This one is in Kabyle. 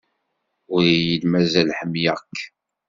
Ur iyi-d-mazal ḥemmleɣ-k.